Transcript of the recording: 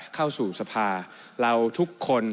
เข้าสู่สภาเราทุกคน